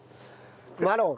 マロン！